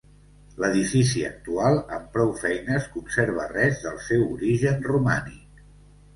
L'edifici actual amb prou feines conserva res del seu origen romànic.